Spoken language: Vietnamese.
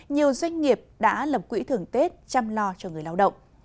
nhiều doanh nghiệp đã lập quỹ thường tết chăm lo cho người lao động